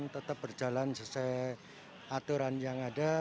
tetap berjalan sesuai aturan yang ada